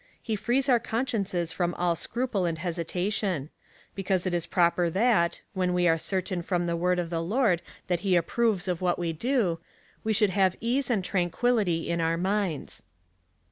26 distinction of meats, lie frees our consciences from all scruple and hesitation ; because it is proper that, when we are cer tain from the word of the Lord that he approves of what we do, we should have ease and tranquillity in our minds.